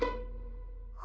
あ。